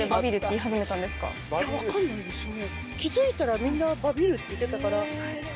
分かんないですね。